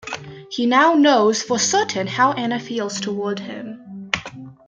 He now knows for certain how Anna feels toward him.